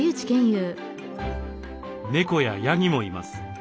ネコやヤギもいます。